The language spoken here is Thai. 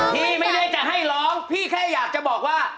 พี่ไม่ได้จะให้ร้องพี่แค่อยากจะบอกว่า